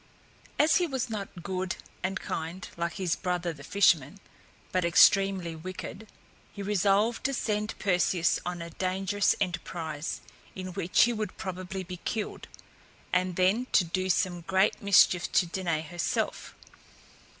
As he was not good and kind, like his brother the fisherman, but extremely wicked, he resolved to send Perseus on a dangerous enterprise, in which he would probably be killed, and then to do some great mischief to Danaë herself.